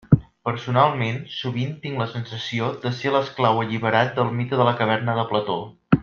Personalment, sovint tinc la sensació de ser l'esclau alliberat del mite de la caverna de Plató.